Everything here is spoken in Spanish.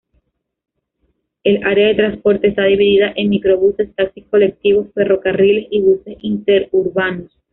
El área de transporte está dividida en microbuses, taxi colectivos, ferrocarriles y buses interurbanos.